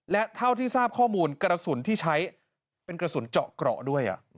และเท่าที่ทราบข้อมูลกระสุนที่ใช้เป็นกระสุนเจาะเกราะด้วย